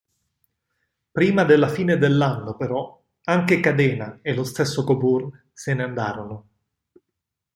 Prima della fine dell'anno però, anche Cadena e lo stesso Coburn se ne andarono.